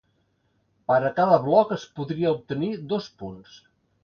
Per a cada bloc es podria obtenir dos punts.